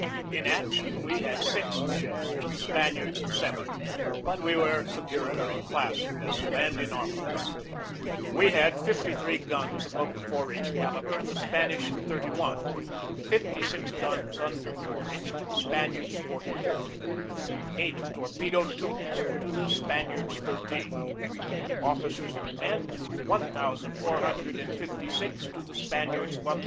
In action we had six ships to the Spaniards' seven, but we were supe rior in class of vessel and in armaments. We had fifty three guns above the 4 inch calibre and the Spaniards thirty one; fifty six guns under 4 inch to the Spaniards' forty four; eight torpedo tubes to the Spaniards' thirteen; officers and men, 1,456 to the Spaniards' 1,447.